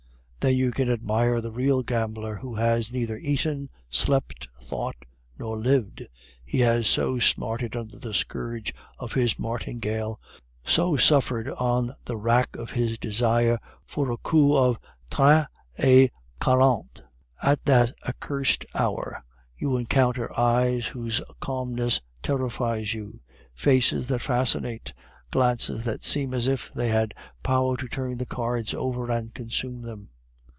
Then you can admire the real gambler, who has neither eaten, slept, thought, nor lived, he has so smarted under the scourge of his martingale, so suffered on the rack of his desire for a coup of trente et quarante. At that accursed hour you encounter eyes whose calmness terrifies you, faces that fascinate, glances that seem as if they had power to turn the cards over and consume them.